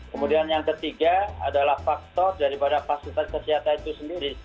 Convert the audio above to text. kemudian yang ketiga adalah faktor daripada fasilitas kesehatan itu sendiri